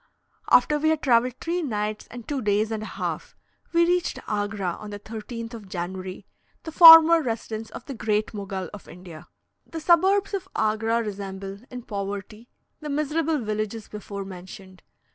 After we had travelled three nights and two days and a half, we reached Agra on the 13th of January the former residence of the Great Mogul of India. The suburbs of Agra resemble, in poverty, the miserable villages before mentioned.